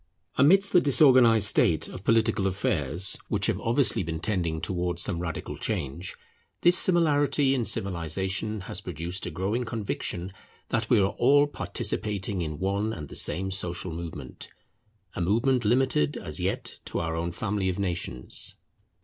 Amidst the disorganized state of political affairs, which have obviously been tending towards some radical change, this similarity in civilization has produced a growing conviction that we are all participating in one and the same social movement; a movement limited as yet to our own family of nations.